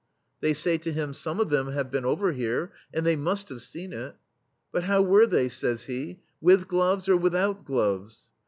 " They say to him :" Some of them have been over here, and they must have seen it/' "But how were they,'* says he, "with gloves or without gloves?'